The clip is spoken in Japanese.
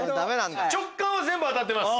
直感は全部当たってます。